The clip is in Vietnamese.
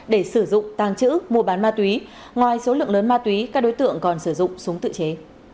để sử dụng tàng trữ mua bán ma túy ngoài số lượng lớn ma túy các đối tượng còn sử dụng súng tự chế